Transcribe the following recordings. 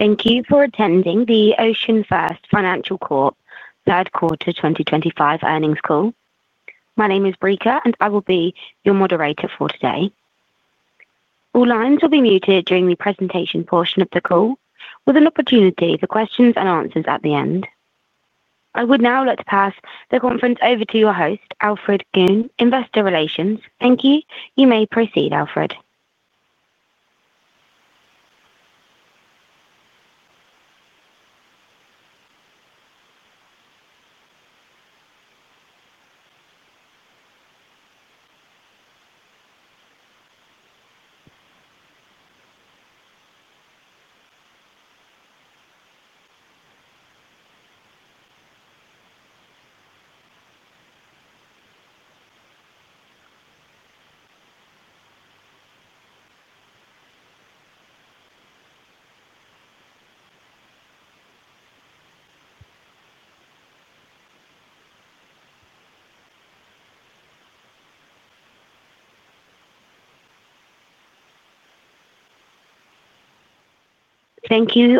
Thank you for attending the OceanFirst Financial Corp. third quarter 2025 earnings call. My name is Breka, and I will be your moderator for today. All lines will be muted during the presentation portion of the call, with an opportunity for questions and answers at the end. I would now like to pass the conference over to your host, Alfred Goon, Investor Relations. Thank you. You may proceed, Alfred. Thank you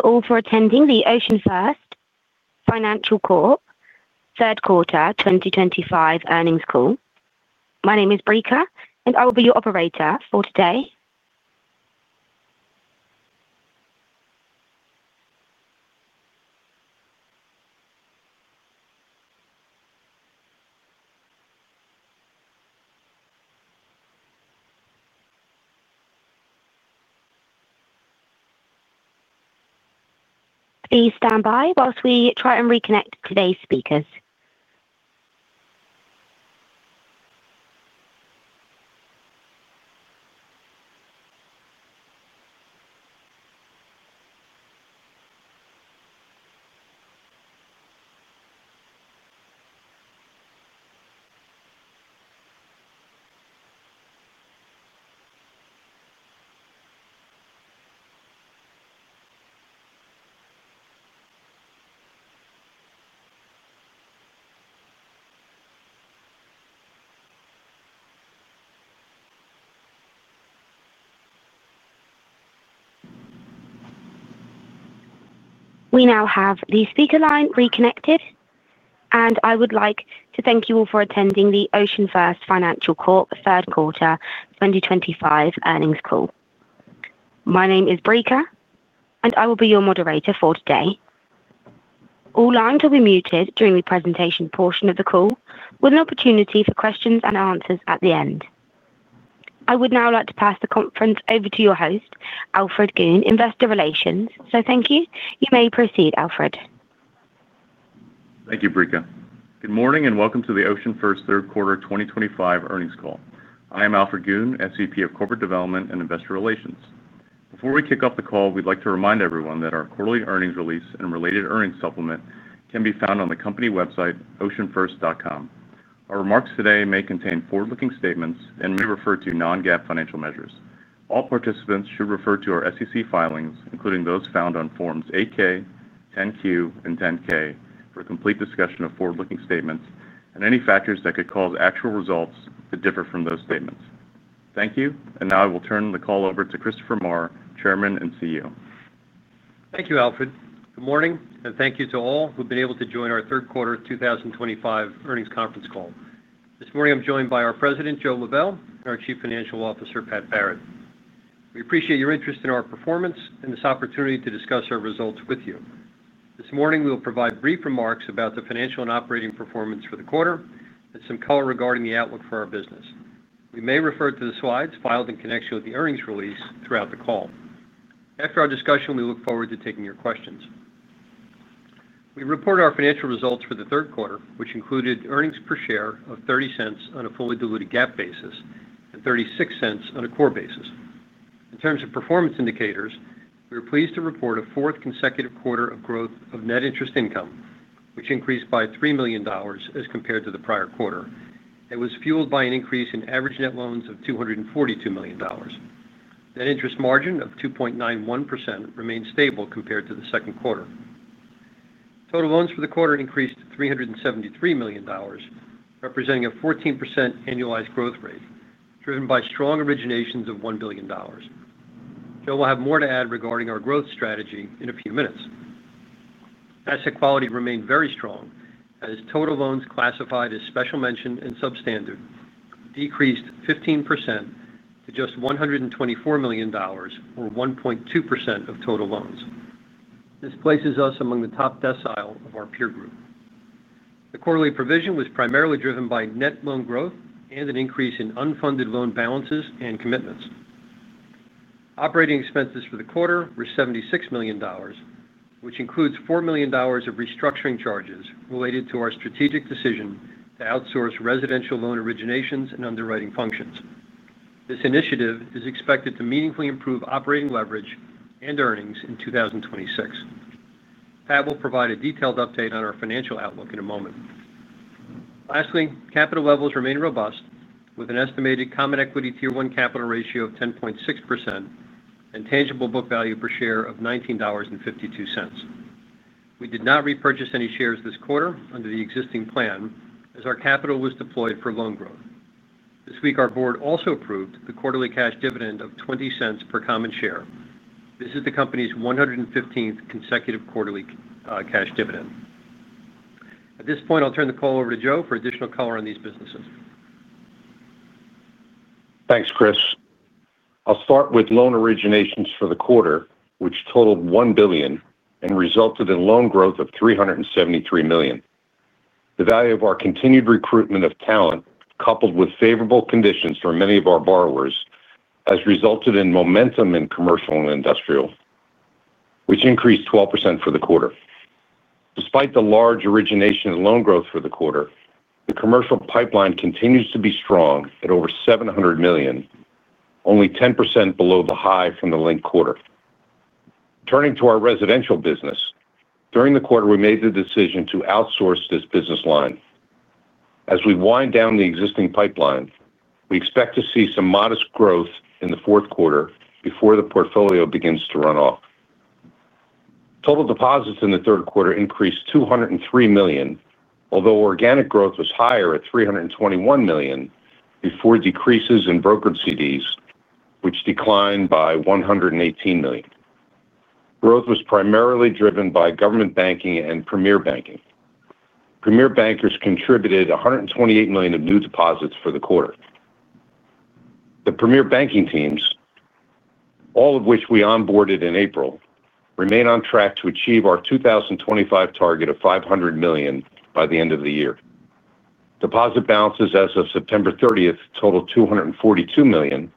all for attending the OceanFirst Financial Corp. third quarter 2025 earnings call. My name is Breka, and I will be your operator for today. Please stand by while we try and reconnect today's speakers. We now have the speaker line reconnected, and I would like to thank you all for attending the OceanFirst Financial Corp. third quarter 2025 earnings call. My name is Breka, and I will be your moderator for today. All lines will be muted during the presentation portion of the call, with an opportunity for questions and answers at the end. I would now like to pass the conference over to your host, Alfred Goon, Investor Relations. Thank you. You may proceed, Alfred. Thank you, Breka. Good morning and welcome to the OceanFirst Financial Corp. third quarter 2025 earnings call. I am Alfred Goon, Senior Vice President of Corporate Development and Investor Relations. Before we kick off the call, we'd like to remind everyone that our quarterly earnings release and related earnings supplement can be found on the company website, oceanfirst.com. Our remarks today may contain forward-looking statements and may refer to non-GAAP financial measures. All participants should refer to our SEC filings, including those found on Forms 8-K, 10-Q, and 10-K, for a complete discussion of forward-looking statements and any factors that could cause actual results to differ from those statements. Thank you, and now I will turn the call over to Christopher Maher, Chairman and CEO. Thank you, Alfred. Good morning, and thank you to all who have been able to join our third quarter 2025 earnings conference call. This morning, I'm joined by our President, Joseph Lebel III, and our Chief Financial Officer, Patrick Barrett. We appreciate your interest in our performance and this opportunity to discuss our results with you. This morning, we will provide brief remarks about the financial and operating performance for the quarter and some color regarding the outlook for our business. We may refer to the slides filed in connection with the earnings release throughout the call. After our discussion, we look forward to taking your questions. We report our financial results for the third quarter, which included earnings per share of $0.30 on a fully diluted GAAP basis and $0.36 on a core basis. In terms of performance indicators, we are pleased to report a fourth consecutive quarter of growth of net interest income, which increased by $3 million as compared to the prior quarter. It was fueled by an increase in average net loans of $242 million. The net interest margin of 2.91% remained stable compared to the second quarter. Total loans for the quarter increased to $373 million, representing a 14% annualized growth rate driven by strong originations of $1 billion. Joseph will have more to add regarding our growth strategy in a few minutes. Asset quality remained very strong, as total loans classified as special mention and substandard decreased 15% to just $124 million, or 1.2% of total loans. This places us among the top decile of our peer group. The quarterly provision was primarily driven by net loan growth and an increase in unfunded loan balances and commitments. Operating expenses for the quarter were $76 million, which includes $4 million of restructuring charges related to our strategic decision to outsource residential loan originations and underwriting functions. This initiative is expected to meaningfully improve operating leverage and earnings in 2026. Patrick will provide a detailed update on our financial outlook in a moment. Lastly, capital levels remain robust, with an estimated common equity tier one capital ratio of 10.6% and a tangible book value per share of $19.52. We did not repurchase any shares this quarter under the existing plan, as our capital was deployed for loan growth. This week, our board also approved the quarterly cash dividend of $0.20 per common share. This is the company's 115th consecutive quarterly cash dividend. At this point, I'll turn the call over to Joseph for additional color on these businesses. Thanks, Chris. I'll start with loan originations for the quarter, which totaled $1 billion and resulted in loan growth of $373 million. The value of our continued recruitment of talent, coupled with favorable conditions for many of our borrowers, has resulted in momentum in commercial and industrial, which increased 12% for the quarter. Despite the large origination and loan growth for the quarter, the commercial pipeline continues to be strong at over $700 million, only 10% below the high from the late quarter. Turning to our residential business, during the quarter, we made the decision to outsource this business line. As we wind down the existing pipeline, we expect to see some modest growth in the fourth quarter before the portfolio begins to run off. Total deposits in the third quarter increased to $203 million, although organic growth was higher at $321 million before decreases in broker CDs, which declined by $118 million. Growth was primarily driven by government banking and premier banking. Premier bankers contributed $128 million of new deposits for the quarter. The premier banking teams, all of which we onboarded in April, remain on track to achieve our 2025 target of $500 million by the end of the year. Deposit balances as of September 30th totaled $242 million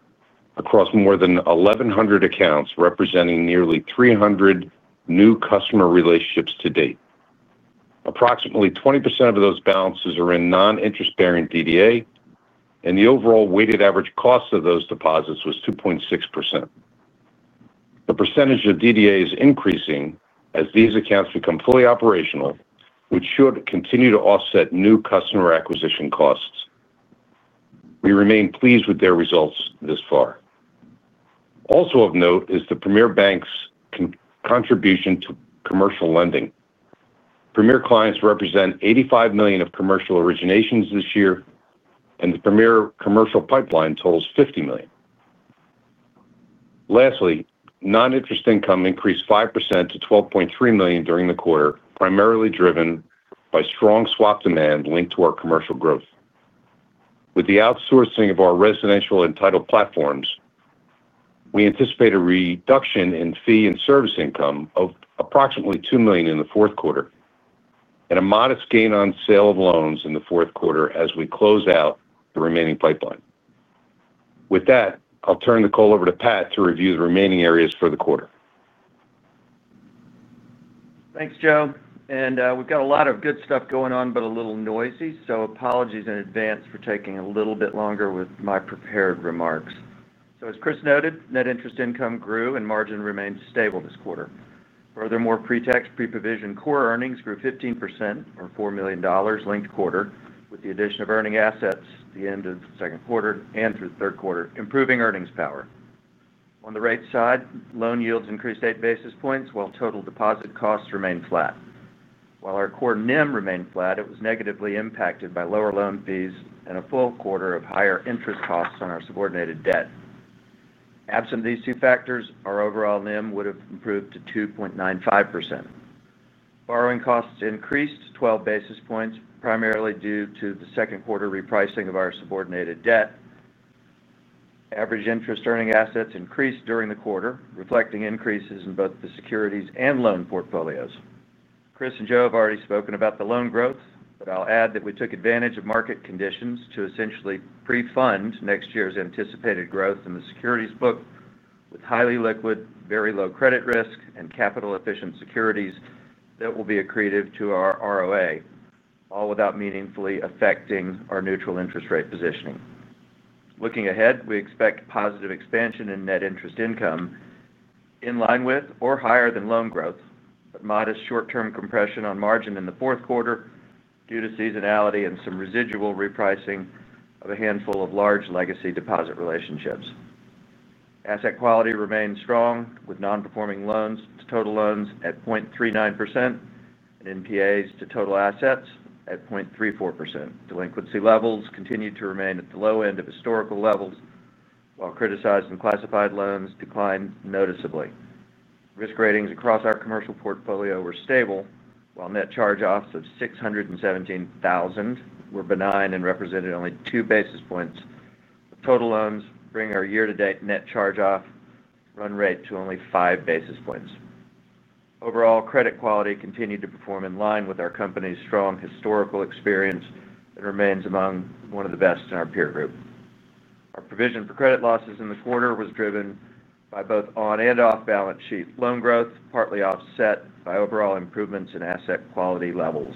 across more than 1,100 accounts, representing nearly 300 new customer relationships to date. Approximately 20% of those balances are in non-interest-bearing DDA, and the overall weighted average cost of those deposits was 2.6%. The percentage of DDA is increasing as these accounts become fully operational, which should continue to offset new customer acquisition costs. We remain pleased with their results thus far. Also of note is the premier banks' contribution to commercial lending. Premier clients represent $85 million of commercial originations this year, and the premier commercial pipeline totals $50 million. Lastly, non-interest income increased 5% to $12.3 million during the quarter, primarily driven by strong swap demand linked to our commercial growth. With the outsourcing of our residential and title platforms, we anticipate a reduction in fee and service income of approximately $2 million in the fourth quarter and a modest gain on sale of loans in the fourth quarter as we close out the remaining pipeline. With that, I'll turn the call over to Pat to review the remaining areas for the quarter. Thanks, Joe. We've got a lot of good stuff going on, but a little noisy, so apologies in advance for taking a little bit longer with my prepared remarks. As Chris noted, net interest income grew and margin remained stable this quarter. Furthermore, pre-tax pre-provision core earnings grew 15%, or $4 million, linked quarter, with the addition of earning assets at the end of the second quarter and through the third quarter, improving earnings power. On the rate side, loan yields increased eight basis points, while total deposit costs remained flat. While our core NIM remained flat, it was negatively impacted by lower loan fees and a full quarter of higher interest costs on our subordinated debt. Absent these two factors, our overall NIM would have improved to 2.95%. Borrowing costs increased 12 basis points, primarily due to the second quarter repricing of our subordinated debt. Average interest earning assets increased during the quarter, reflecting increases in both the securities and loan portfolios. Chris and Joe have already spoken about the loan growth, but I'll add that we took advantage of market conditions to essentially pre-fund next year's anticipated growth in the securities book with highly liquid, very low credit risk, and capital-efficient securities that will be accreted to our ROA, all without meaningfully affecting our neutral interest rate positioning. Looking ahead, we expect positive expansion in net interest income in line with or higher than loan growth, but modest short-term compression on margin in the fourth quarter due to seasonality and some residual repricing of a handful of large legacy deposit relationships. Asset quality remains strong, with non-performing loans to total loans at 0.39% and NPAs to total assets at 0.34%. Delinquency levels continue to remain at the low end of historical levels, while criticized and classified loans declined noticeably. Risk ratings across our commercial portfolio were stable, while net charge-offs of $617,000 were benign and represented only two basis points. Total loans bring our year-to-date net charge-off run rate to only five basis points. Overall, credit quality continued to perform in line with our company's strong historical experience and remains among one of the best in our peer group. Our provision for credit losses in the quarter was driven by both on and off balance sheet loan growth, partly offset by overall improvements in asset quality levels.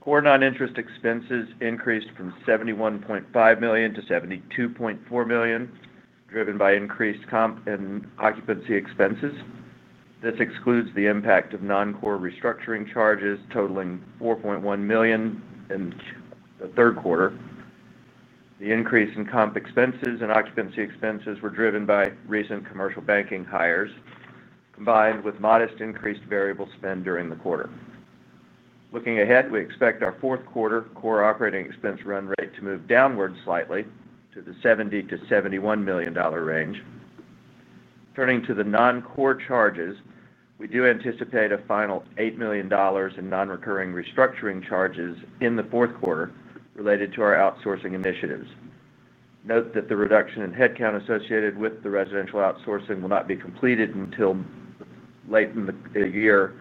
Core non-interest expenses increased from $71.5 million-$72.4 million, driven by increased comp and occupancy expenses. This excludes the impact of non-core restructuring charges totaling $4.1 million in the third quarter. The increase in comp expenses and occupancy expenses were driven by recent commercial banking hires, combined with modest increased variable spend during the quarter. Looking ahead, we expect our fourth quarter core operating expense run rate to move downward slightly to the $70 million-$71 million range. Turning to the non-core charges, we do anticipate a final $8 million in non-recurring restructuring charges in the fourth quarter related to our outsourcing initiatives. Note that the reduction in headcount associated with the residential outsourcing will not be completed until late in the year,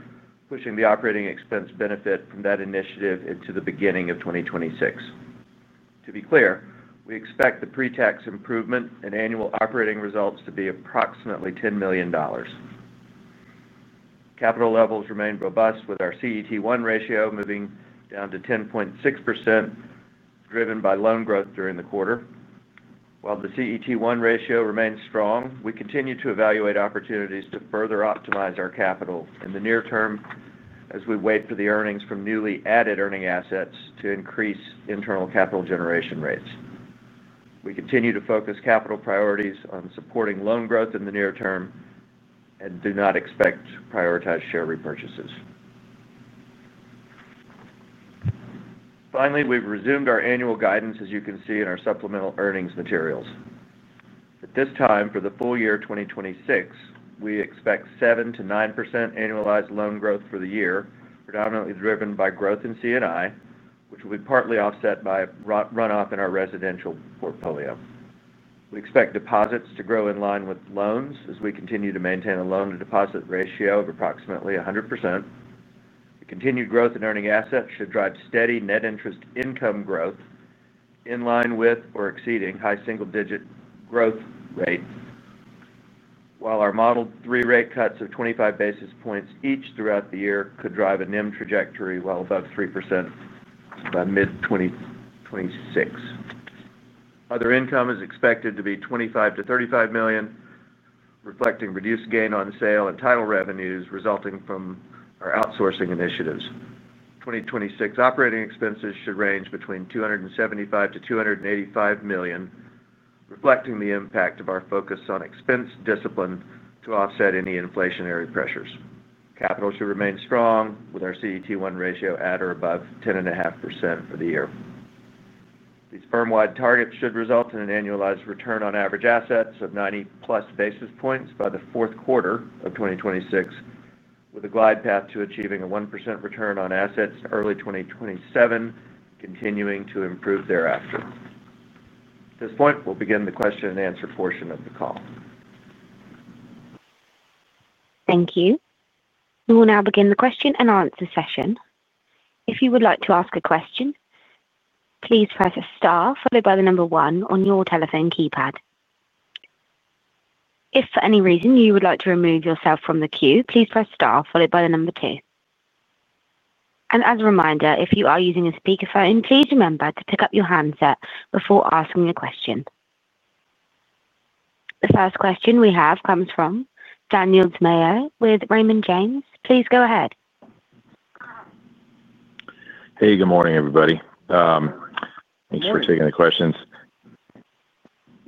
pushing the operating expense benefit from that initiative into the beginning of 2026. To be clear, we expect the pre-tax improvement in annual operating results to be approximately $10 million. Capital levels remain robust, with our CET1 ratio moving down to 10.6%, driven by loan growth during the quarter. While the CET1 ratio remains strong, we continue to evaluate opportunities to further optimize our capital in the near term as we wait for the earnings from newly added earning assets to increase internal capital generation rates. We continue to focus capital priorities on supporting loan growth in the near term and do not expect prioritized share repurchases. Finally, we've resumed our annual guidance, as you can see in our supplemental earnings materials. At this time, for the full year 2026, we expect 7%-9% annualized loan growth for the year, predominantly driven by growth in commercial and industrial loans, which will be partly offset by runoff in our residential portfolio. We expect deposits to grow in line with loans as we continue to maintain a loan-to-deposit ratio of approximately 100%. The continued growth in earning assets should drive steady net interest income growth in line with or exceeding high single-digit growth rates, while our model three rate cuts of 25 basis points each throughout the year could drive a net interest margin trajectory well above 3% by mid-2026. Other income is expected to be $25 million-$35 million, reflecting reduced gain on sale and title revenues resulting from our outsourcing initiatives. 2026 operating expenses should range between $275 million-$285 million, reflecting the impact of our focus on expense discipline to offset any inflationary pressures. Capital should remain strong with our CET1 ratio at or above 10.5% for the year. These firm-wide targets should result in an annualized return on average assets of 90 plus basis points by the fourth quarter of 2026, with a glide path to achieving a 1% return on assets in early 2027, continuing to improve thereafter. At this point, we'll begin the question and answer portion of the call. Thank you. We will now begin the question-and-answer session. If you would like to ask a question, please press star followed by the number one on your telephone keypad. If for any reason you would like to remove yourself from the queue, please press star followed by the number two. As a reminder, if you are using a speaker phone, please remember to pick up your handset before asking your question. The first question we have comes from Daniel Tamayo with Raymond James. Please go ahead. Hey, good morning everybody. Thanks for taking the questions.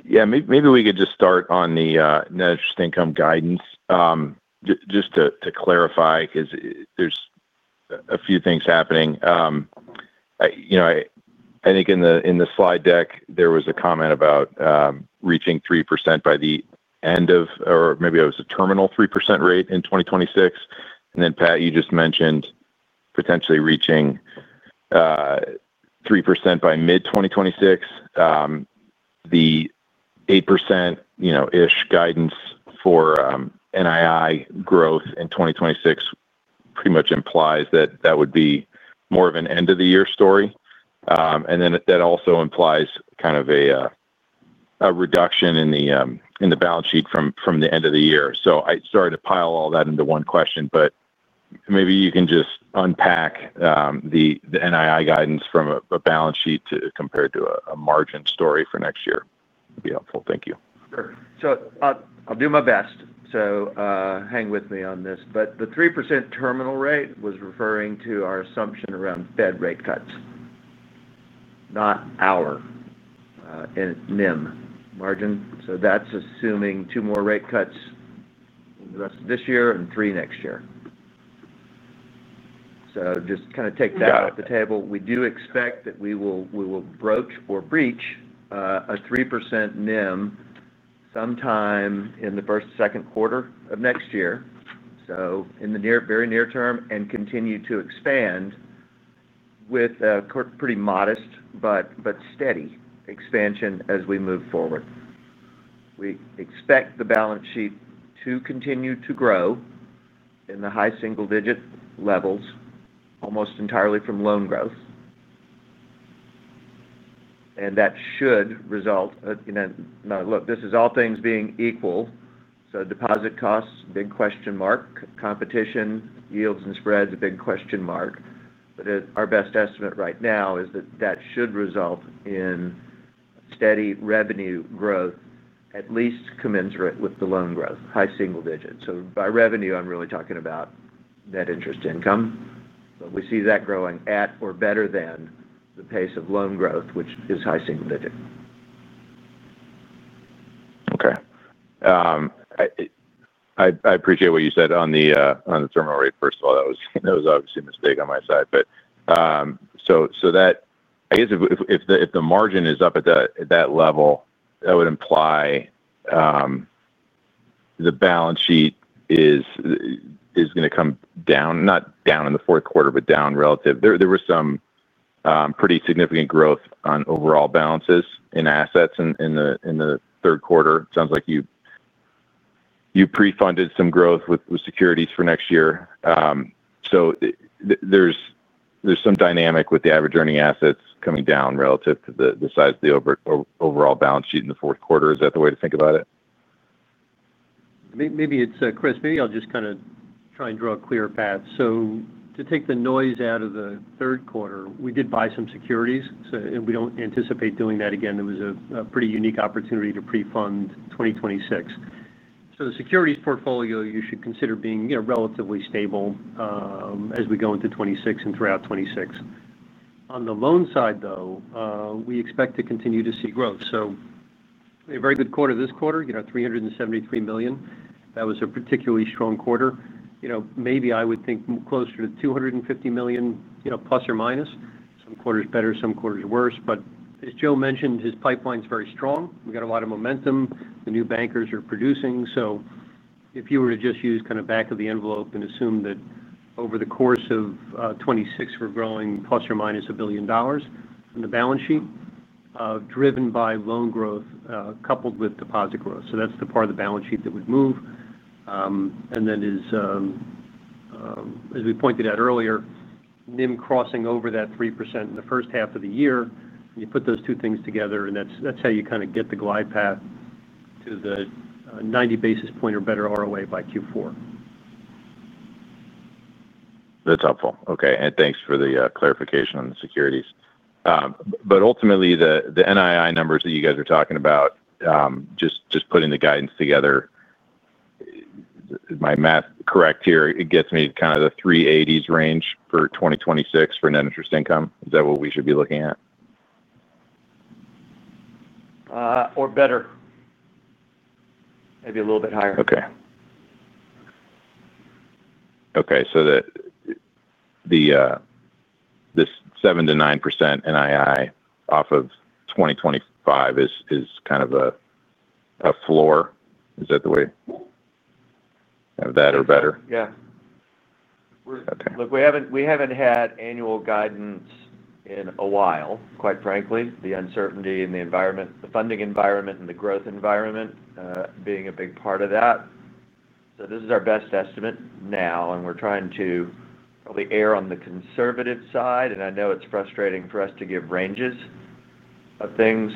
Maybe we could just start on the net interest income guidance. Just to clarify, because there's a few things happening. I think in the slide deck there was a comment about reaching 3% by the end of, or maybe it was a terminal 3% rate in 2026. Pat, you just mentioned potentially reaching 3% by mid-2026. The 8% guidance for NII growth in 2026 pretty much implies that that would be more of an end-of-the-year story. That also implies kind of a reduction in the balance sheet from the end of the year. I started to pile all that into one question, but maybe you can just unpack the NII guidance from a balance sheet to compare it to a margin story for next year. It'd be helpful. Thank you. Sure. I'll do my best. Hang with me on this. The 3% terminal rate was referring to our assumption around Fed rate cuts, not our NIM margin. That's assuming two more rate cuts in the rest of this year and three next year. Just take that off the table. We do expect that we will broach or breach a 3% NIM sometime in the first to second quarter of next year, in the very near term, and continue to expand with a pretty modest but steady expansion as we move forward. We expect the balance sheet to continue to grow in the high single-digit levels, almost entirely from loan growth. That should result, now look, this is all things being equal. Deposit costs, big question mark. Competition, yields, and spreads, a big question mark. Our best estimate right now is that should result in a steady revenue growth, at least commensurate with the loan growth, high single digits. By revenue, I'm really talking about net interest income. We see that growing at or better than the pace of loan growth, which is high single digits. Okay. I appreciate what you said on the terminal rate. First of all, that was obviously a mistake on my side. If the margin is up at that level, that would imply the balance sheet is going to come down, not down in the fourth quarter, but down relative. There was some pretty significant growth on overall balances in assets in the third quarter. It sounds like you pre-funded some growth with securities for next year. There's some dynamic with the average earning assets coming down relative to the size of the overall balance sheet in the fourth quarter. Is that the way to think about it? Maybe it's Chris. Maybe I'll just kind of try and draw a clear path. To take the noise out of the third quarter, we did buy some securities, and we don't anticipate doing that again. It was a pretty unique opportunity to pre-fund 2026. The securities portfolio, you should consider being, you know, relatively stable as we go into 2026 and throughout 2026. On the loan side, though, we expect to continue to see growth. A very good quarter this quarter, you know, $373 million. That was a particularly strong quarter. Maybe I would think closer to $250 million, you know, plus or minus. Some quarters better, some quarters worse. As Joe mentioned, his pipeline's very strong. We got a lot of momentum. The new bankers are producing. If you were to just use kind of back of the envelope and assume that over the course of 2026, we're growing plus or minus a billion dollars on the balance sheet, driven by loan growth, coupled with deposit growth. That's the part of the balance sheet that would move. As we pointed out earlier, NIM crossing over that 3% in the first half of the year. You put those two things together, and that's how you kind of get the glide path to the 90 basis point or better ROA by Q4. That's helpful. Okay, thanks for the clarification on the securities. Ultimately, the NII numbers that you guys are talking about, just putting the guidance together, is my math correct here? It gets me to kind of the $380 million range for 2026 for net interest income. Is that what we should be looking at? Or maybe a little bit higher. Okay. The 7%-9% NII off of 2025 is kind of a floor. Is that the way? Have that or better? Yeah. Look, we haven't had annual guidance in a while, quite frankly. The uncertainty in the environment, the funding environment, and the growth environment being a big part of that. This is our best estimate now, and we're trying to probably err on the conservative side. I know it's frustrating for us to give ranges of things,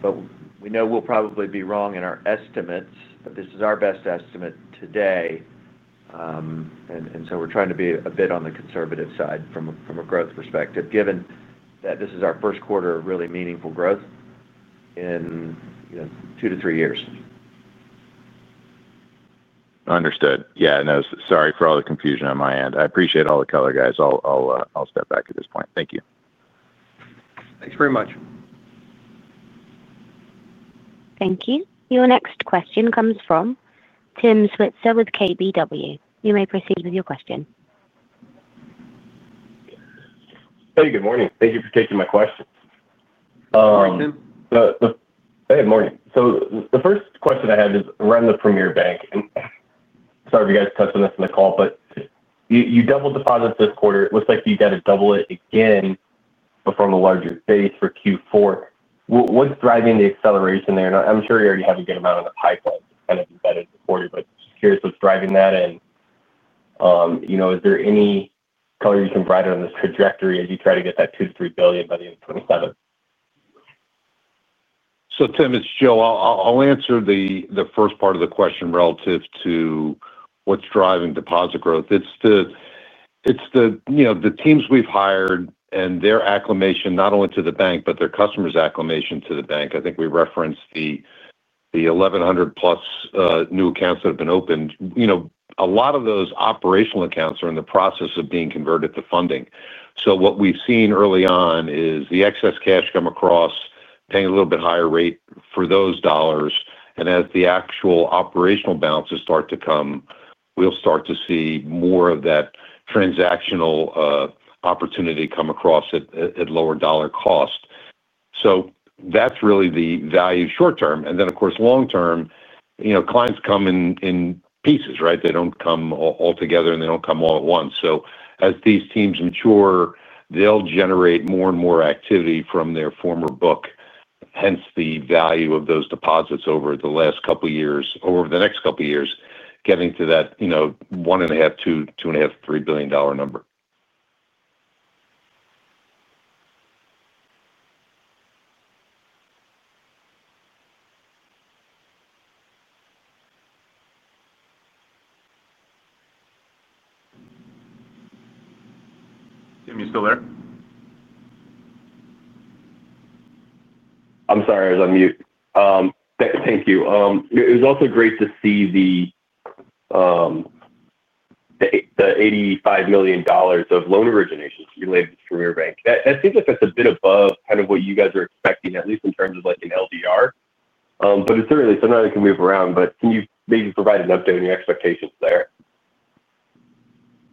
but we know we'll probably be wrong in our estimates, but this is our best estimate today. We're trying to be a bit on the conservative side from a growth perspective, given that this is our first quarter of really meaningful growth in two to three years. Understood. Sorry for all the confusion on my end. I appreciate all the color, guys. I'll step back at this point. Thank you. Thanks very much. Thank you. Your next question comes from Tim Switzer with KBW. You may proceed with your question. Hey, good morning. Thank you for taking my question. Thanks, Tim. Good morning. The first question I have is around the premier banking segment. Sorry if you guys touched on this in the call, but you doubled deposits this quarter. It looks like you have to double it again from a larger base for Q4. What's driving the acceleration there? I'm sure you already have a good amount on the pipeline kind of embedded in the quarter, but I'm just curious what's driving that. Is there any color you can provide on this trajectory as you try to get that $2 billion-$3 billion by the end of 2027? Tim, it's Joe. I'll answer the first part of the question relative to what's driving deposit growth. It's the teams we've hired and their acclimation, not only to the bank, but their customers' acclimation to the bank. I think we referenced the 1,100+ new accounts that have been opened. A lot of those operational accounts are in the process of being converted to funding. What we've seen early on is the excess cash come across, paying a little bit higher rate for those dollars. As the actual operational balances start to come, we'll start to see more of that transactional opportunity come across at lower dollar cost. That's really the value short term. Of course, long term, clients come in pieces, right? They don't come all together and they don't come all at once. As these teams mature, they'll generate more and more activity from their former book, hence the value of those deposits over the last couple of years, over the next couple of years, getting to that $1.5 billion, $2 billion, $2.5 billion, $3 billion number. Tim, you still there? I'm sorry, I was on mute. Thank you. It was also great to see the $85 million of loan originations related to the premier banking segment. That seems like that's a bit above kind of what you guys are expecting, at least in terms of like an LDR. It's certainly something that can move around. Can you maybe provide an update on your expectations there?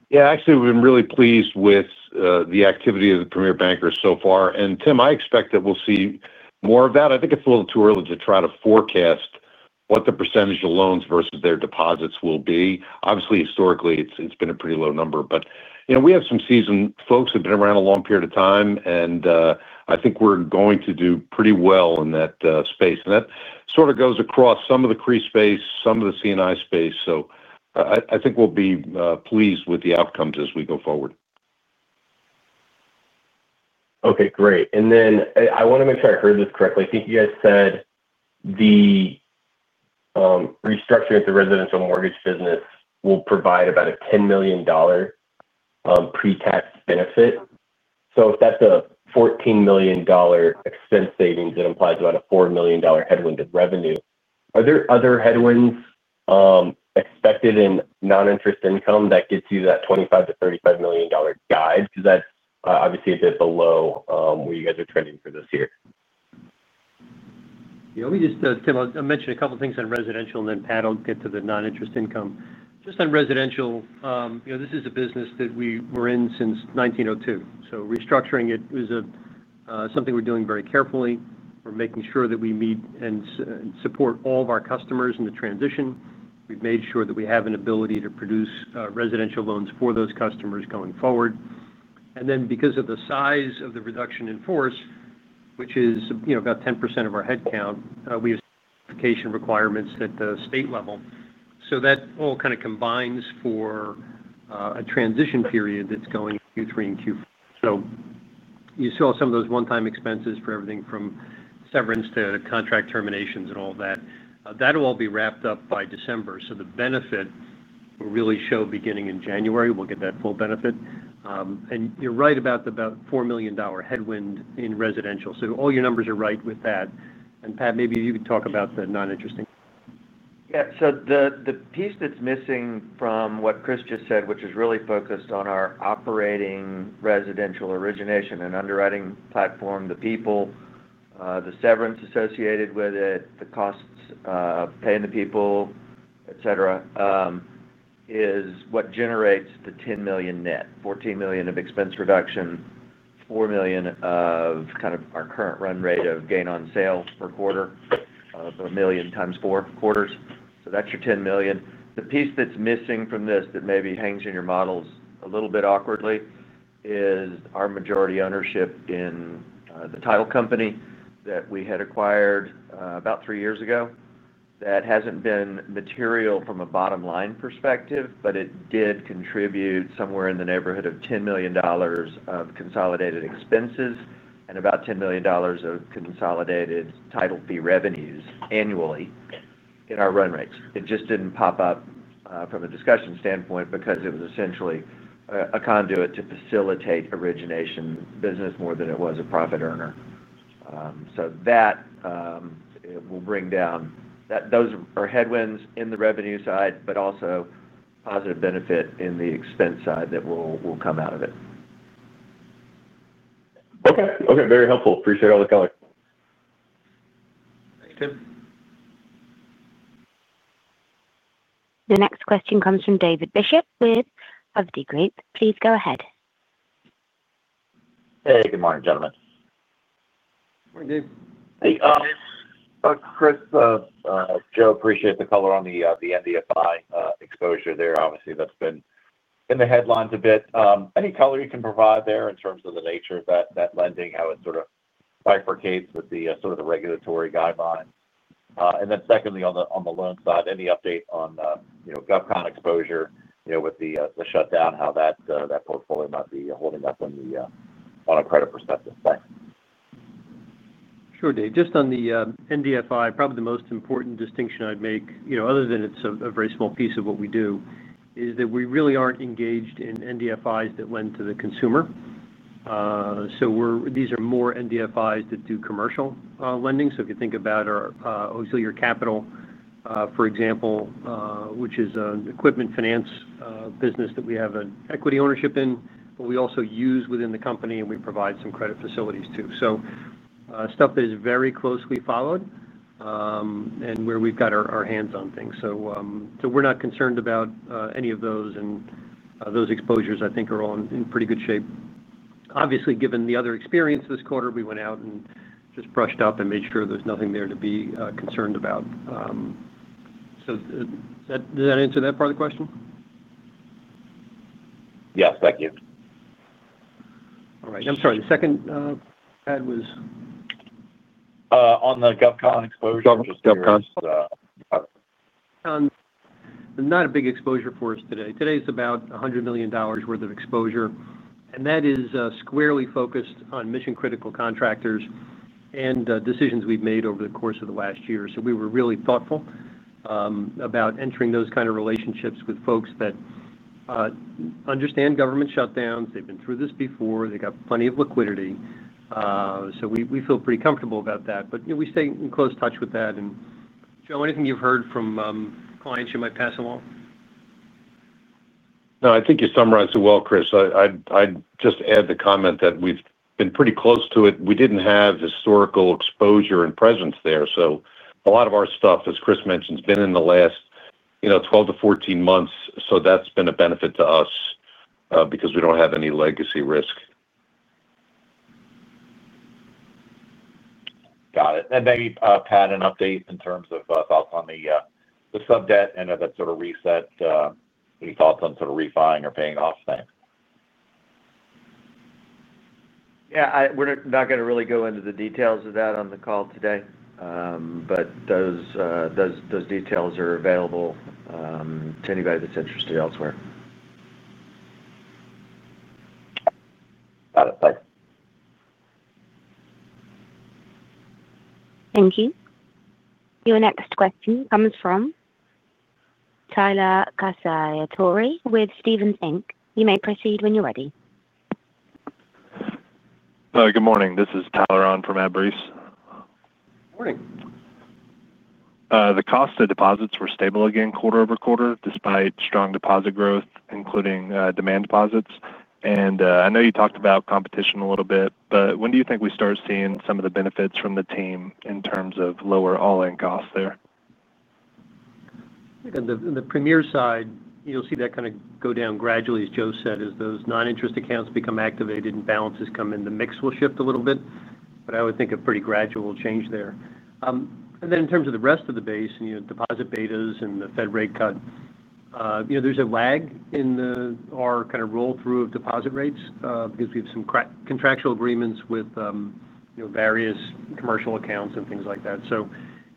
Yeah, actually, we've been really pleased with the activity of the premier bankers so far. Tim, I expect that we'll see more of that. I think it's a little too early to try to forecast what the percentage of loans versus their deposits will be. Obviously, historically, it's been a pretty low number. We have some seasoned folks who've been around a long period of time, and I think we're going to do pretty well in that space. That sort of goes across some of the commercial real estate space, some of the commercial and industrial space. I think we'll be pleased with the outcomes as we go forward. Okay, great. I want to make sure I heard this correctly. I think you guys said the restructuring of the residential mortgage business will provide about a $10 million pre-tax benefit. If that's a $14 million expense savings, it implies about a $4 million headwind of revenue. Are there other headwinds expected in non-interest income that get you that $25 million-$35 million guide? That's obviously a bit below where you guys are trending for this year. Let me just, Tim, I'll mention a couple of things on residential, and then Pat, I'll get to the non-interest income. Just on residential, you know, this is a business that we were in since 1902. Restructuring it was something we're doing very carefully. We're making sure that we meet and support all of our customers in the transition. We've made sure that we have an ability to produce residential loans for those customers going forward. Because of the size of the reduction in force, which is about 10% of our headcount, we have certification requirements at the state level. That all kind of combines for a transition period that's going Q3 and Q4. You saw some of those one-time expenses for everything from severance to contract terminations and all of that. That'll all be wrapped up by December. The benefit will really show beginning in January. We'll get that full benefit. You're right about the about $4 million headwind in residential. All your numbers are right with that. Pat, maybe you could talk about the non-interest income. Yeah. The piece that's missing from what Chris just said, which is really focused on our operating residential loan originations and underwriting platform, the people, the severance associated with it, the costs of paying the people, etc., is what generates the $10 million net, $14 million of expense reduction, $4 million of kind of our current run rate of gain on sale per quarter, of $1 million times four quarters. That's your $10 million. The piece that's missing from this that maybe hangs in your models a little bit awkwardly is our majority ownership in the title company that we had acquired about three years ago. That hasn't been material from a bottom-line perspective, but it did contribute somewhere in the neighborhood of $10 million of consolidated expenses and about $10 million of consolidated title fee revenues annually in our run rates. It just didn't pop up from a discussion standpoint because it was essentially a conduit to facilitate origination business more than it was a profit earner. That will bring down those are headwinds in the revenue side, but also positive benefit in the expense side that will come out of it. Okay, very helpful. Appreciate all the color. Thanks, Tim. The next question comes from David Bishop with Hovde Group. Please go ahead. Hey, good morning, gentlemen. Morning, Dave. Hey, Chris, Joe, appreciate the color on the NDFI exposure there. Obviously, that's been in the headlines a bit. Any color you can provide there in terms of the nature of that lending, how it sort of bifurcates with the regulatory guidelines? Secondly, on the loan side, any update on GovCon exposure, you know, with the shutdown, how that portfolio might be holding up on a credit perspective? Thanks. Sure, Dave. Just on the NDFI, probably the most important distinction I'd make, other than it's a very small piece of what we do, is that we really aren't engaged in NDFIs that lend to the consumer. These are more NDFIs that do commercial lending. If you think about our auxiliary capital, for example, which is an equipment finance business that we have an equity ownership in, we also use it within the company, and we provide some credit facilities too. This is stuff that is very closely followed and where we've got our hands on things. We're not concerned about any of those, and those exposures I think are all in pretty good shape. Obviously, given the other experience this quarter, we went out and just brushed up and made sure there's nothing there to be concerned about. Does that answer that part of the question? Yes, thank you. All right. I'm sorry, the second, Pat, was? On the GovCon exposure. Sure, GovCon. Not a big exposure for us today. Today is about $100 million worth of exposure. That is squarely focused on mission-critical contractors and decisions we've made over the course of the last year. We were really thoughtful about entering those kind of relationships with folks that understand government shutdowns. They've been through this before. They've got plenty of liquidity. We feel pretty comfortable about that. We stay in close touch with that. Joe, anything you've heard from clients you might pass along? No, I think you summarized it well, Chris. I'd just add the comment that we've been pretty close to it. We didn't have historical exposure and presence there. A lot of our stuff, as Chris mentioned, has been in the last 12 to 14 months. That's been a benefit to us because we don't have any legacy risk. Got it. Pat, an update in terms of thoughts on the sub debt and that sort of reset. Any thoughts on sort of refiing or paying off things? Yeah, we're not going to really go into the details of that on the call today, but those details are available to anybody that's interested elsewhere. Got it. Thanks. Thank you. Your next question comes from Tyler Casatorre with Stephens Inc. You may proceed when you're ready. Good morning. This is Tyler on for Matt Breese. Morning. The cost of deposits was stable again quarter over quarter despite strong deposit growth, including demand deposits. You talked about competition a little bit, but when do you think we start seeing some of the benefits from the team in terms of lower all-in costs there? I think on the premier side, you'll see that kind of go down gradually, as Joe said, as those non-interest accounts become activated and balances come in. The mix will shift a little bit, but I would think a pretty gradual change there. In terms of the rest of the base, you know, deposit betas and the Fed rate cut, you know, there's a lag in our kind of roll-through of deposit rates because we have some contractual agreements with various commercial accounts and things like that.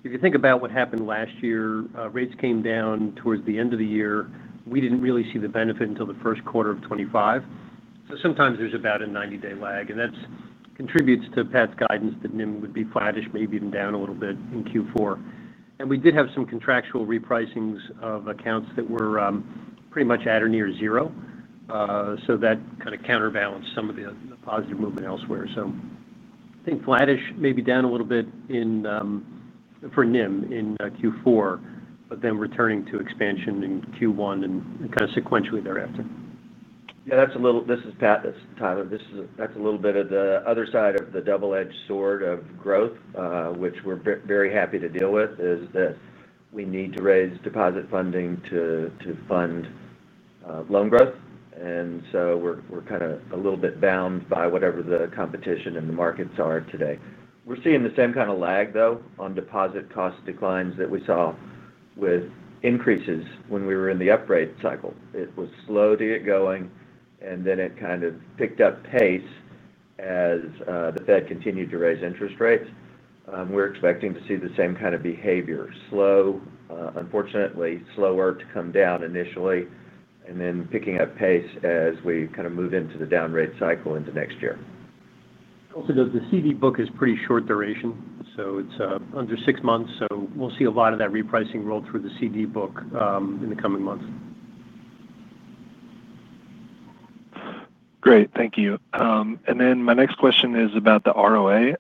If you think about what happened last year, rates came down towards the end of the year. We didn't really see the benefit until the first quarter of 2025. Sometimes there's about a 90-day lag, and that contributes to Pat's guidance that NIM would be flattish, maybe even down a little bit in Q4. We did have some contractual repricings of accounts that were pretty much at or near zero. That kind of counterbalanced some of the positive movement elsewhere. I think flattish, maybe down a little bit for NIM in Q4, but then returning to expansion in Q1 and kind of sequentially thereafter. That's a little bit of the other side of the double-edged sword of growth, which we're very happy to deal with, is that we need to raise deposit funding to fund loan growth. We're kind of a little bit bound by whatever the competition and the markets are today. We're seeing the same kind of lag, though, on deposit cost declines that we saw with increases when we were in the upgrade cycle. It was slow to get going, and then it kind of picked up pace as the Fed continued to raise interest rates. We're expecting to see the same kind of behavior, unfortunately slower to come down initially, and then picking up pace as we move into the down-rate cycle into next year. Also, the CD book is pretty short duration. It's under six months, so we'll see a lot of that repricing roll through the CD book in the coming months. Great. Thank you. My next question is about the ROA.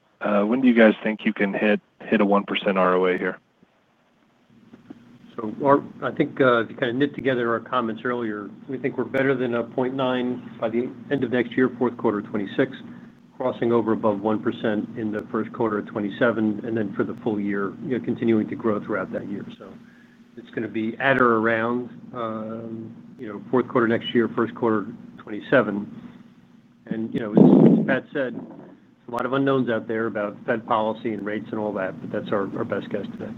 When do you guys think you can hit a 1% ROA here? If you kind of knit together our comments earlier, we think we're better than a 0.9% by the end of next year, fourth quarter of 2026, crossing over above 1% in the first quarter of 2027, and then for the full year, you know, continuing to grow throughout that year. It's going to be at or around, you know, fourth quarter next year, first quarter of 2027. As Pat said, there's a lot of unknowns out there about Fed policy and rates and all that, but that's our best guess today.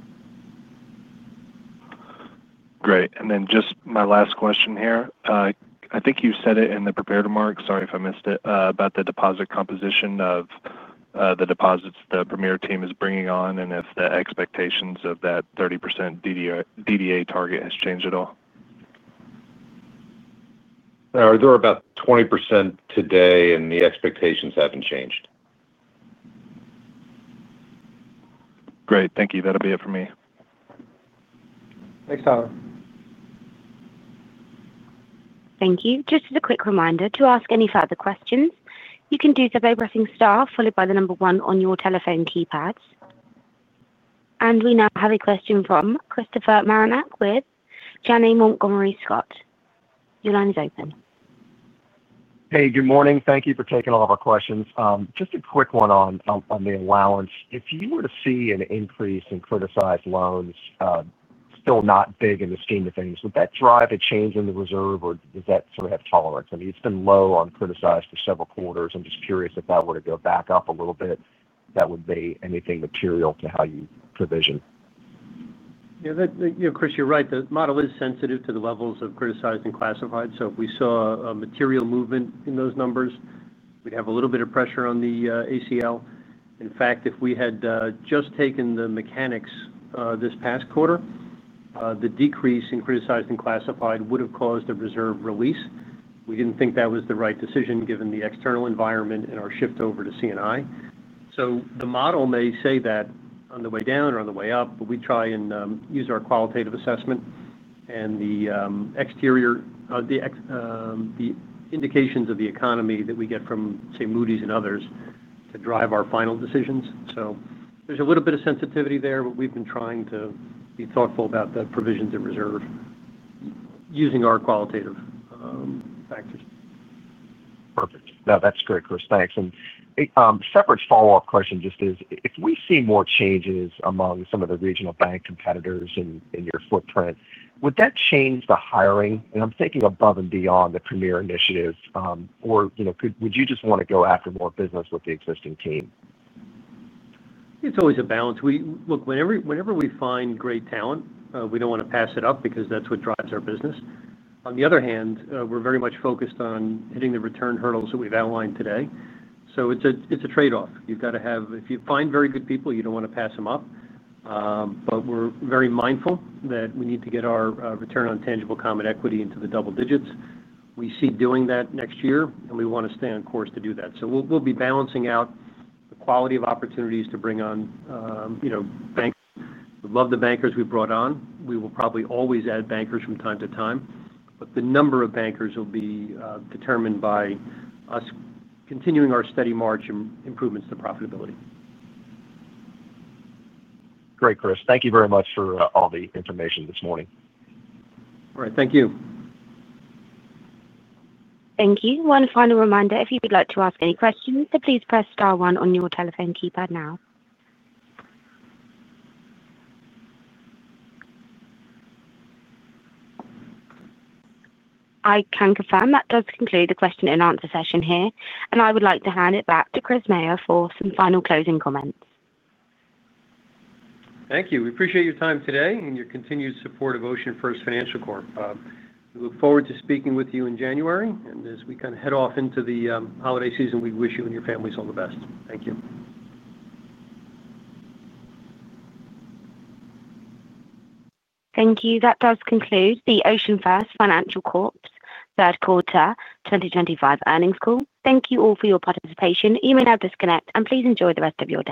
Great. Just my last question here. I think you said it in the prepared remarks, sorry if I missed it, about the deposit composition of the deposits the premier team is bringing on and if the expectations of that 30% DDA target has changed at all. They're about 20% today, and the expectations haven't changed. Great. Thank you. That'll be it for me. Thanks, Tyler. Thank you. Just as a quick reminder to ask any further questions, you can do so by pressing star followed by the number one on your telephone keypads. We now have a question from Christopher Marinac with Janney Montgomery Scott. Your line is open. Hey, good morning. Thank you for taking all of our questions. Just a quick one on the allowance. If you were to see an increase in criticized loans, still not big in the scheme of things, would that drive a change in the reserve, or does that sort of have tolerance? I mean, it's been low on criticized for several quarters. I'm just curious if that were to go back up a little bit, that would be anything material to how you provision? Yeah, Chris, you're right. The model is sensitive to the levels of criticized and classified. If we saw a material movement in those numbers, we'd have a little bit of pressure on the ACL. In fact, if we had just taken the mechanics this past quarter, the decrease in criticized and classified would have caused a reserve release. We didn't think that was the right decision given the external environment and our shift over to CNI. The model may say that on the way down or on the way up, but we try and use our qualitative assessment and the indications of the economy that we get from, say, Moody's and others to drive our final decisions. There's a little bit of sensitivity there, but we've been trying to be thoughtful about the provisions of reserve using our qualitative factors. Perfect. No, that's great, Chris. Thanks. A separate follow-up question is, if we see more changes among some of the regional bank competitors in your footprint, would that change the hiring? I'm thinking above and beyond the premier initiative. Would you just want to go after more business with the existing team? It's always a balance. Look, whenever we find great talent, we don't want to pass it up because that's what drives our business. On the other hand, we're very much focused on hitting the return hurdles that we've outlined today. It's a trade-off. If you find very good people, you don't want to pass them up. We're very mindful that we need to get our return on tangible common equity into the double digits. We see doing that next year, and we want to stay on course to do that. We'll be balancing out the quality of opportunities to bring on bankers. We love the bankers we brought on. We will probably always add bankers from time to time. The number of bankers will be determined by us continuing our steady march and improvements to profitability. Great, Chris. Thank you very much for all the information this morning. All right. Thank you. Thank you. One final reminder, if you would like to ask any questions, please press star one on your telephone keypad now. I can confirm that does conclude the question-and-answer session here. I would like to hand it back to Christopher Maher for some final closing comments. Thank you. We appreciate your time today and your continued support of OceanFirst Financial Corp. We look forward to speaking with you in January. As we head off into the holiday season, we wish you and your families all the best. Thank you. Thank you. That does conclude the OceanFirst Financial Corp. third quarter 2025 earnings call. Thank you all for your participation. You may now disconnect, and please enjoy the rest of your day.